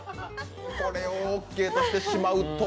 これをオーケーにしてしまうと。